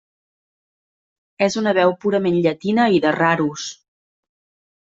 És una veu purament llatina i de rar ús.